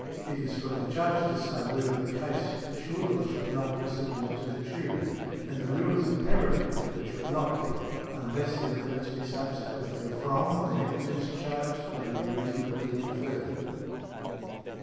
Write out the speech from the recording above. It is for the Judge to say whether the case should or should not be submitted to the jury; and the rule is imperative that it should not be, unless the evidence be such that therefrom the negligence charged may be reasonably inferred .